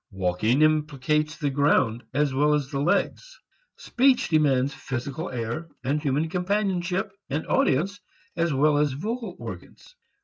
Walking implicates the ground as well as the legs; speech demands physical air and human companionship and audience as well as vocal organs.